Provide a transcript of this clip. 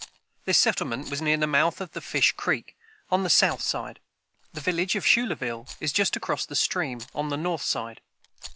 This settlement was near the mouth of the Fish creek, on the south side. The village of Schuylerville is just across the stream, on the north side.